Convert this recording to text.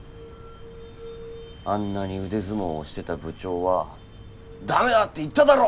あんなに腕相撲を推してた部長は「駄目だって言っただろ！」